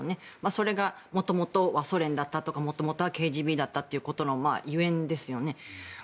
それが元々はソ連だったとか元々はＫＧＢだったということのゆえんですよね。